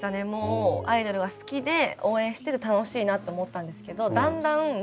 もうアイドルが好きで応援してて楽しいなって思ったんですけどだんだん。